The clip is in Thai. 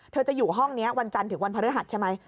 เธอจะอยู่ห้องนี้วันจันทร์ถึงวันพฤหัสใช่ไหม